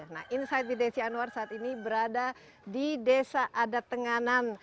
nah insight with desi anwar saat ini berada di desa adat tenganan